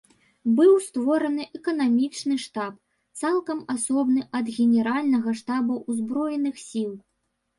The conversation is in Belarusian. Быў створаны эканамічны штаб, цалкам асобны ад генеральнага штаба ўзброеных сіл.